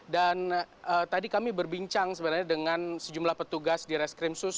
dan tadi kami berbincang sebenarnya dengan sejumlah petugas di reskrimsus